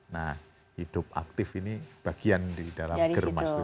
nah hidup aktif ini bagian di dalam germas itu